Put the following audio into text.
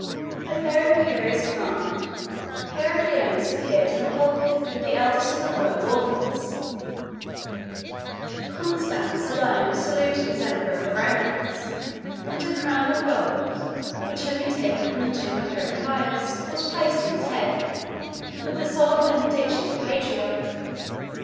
At their imperious command, Heracleonas appeared in the pulpit with the eldest of the royal orphans; Constans alone was saluted as emperor of the Romans, and a crown of gold, which had been taken from the tomb of Heraclius, was placed on his head, with the solemn benediction of the patriarch.